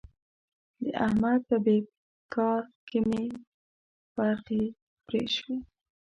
د احمد په بېګار کې مې برځې پرې شوې.